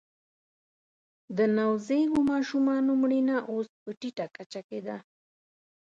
د نوزیږو ماشومانو مړینه اوس په ټیټه کچه کې ده